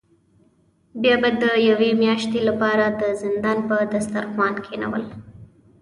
بیا به د یوې میاشتې له پاره د زندان په دسترخوان کینول.